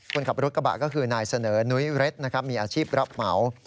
คนขับรถกระบะก็คือนายเสนอนุ้ยเร็ดนะครับมีอาชีพรับเหมา